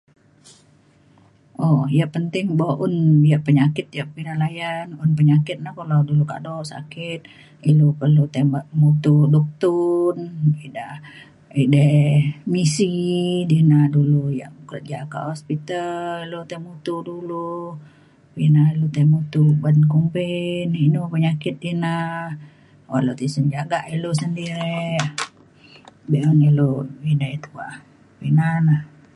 um yang penting buk un yap penyakit yap ida layan un penyakit na kulo dulu kado sakit ilu perlu tai mutu duktun ida edei misi dina dulu yak kerja kak hospital lu tai mutu dulu ina lu tai mutu uban kumbin inu penyakit ina un lu tisen jagak ilu sedirik be’un ilu edei kuak ina na